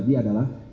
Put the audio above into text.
maksud tadi adalah